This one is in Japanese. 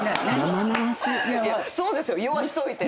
そうですよ言わしといて。